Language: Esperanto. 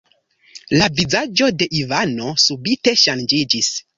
La vizaĝo de Ivano subite ŝanĝiĝis.